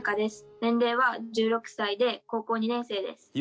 年齢は１６歳で高校２年生です。